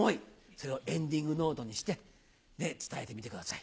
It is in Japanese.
それをエンディングノートにして伝えてみてください。